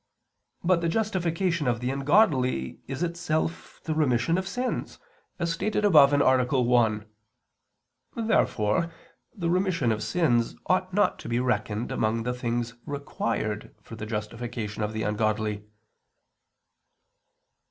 But the justification of the ungodly is itself the remission of sins, as stated above (A. 1). Therefore the remission of sins ought not to be reckoned among the things required for the justification of the ungodly.